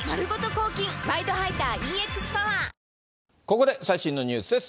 ここで最新のニュースです。